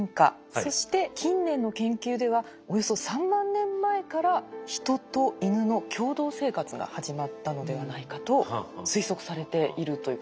そして近年の研究ではおよそ３万年前からヒトとイヌの共同生活が始まったのではないかと推測されているということですね。